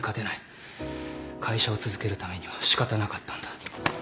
会社を続けるためには仕方なかったんだ。